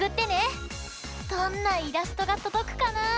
どんなイラストがとどくかな？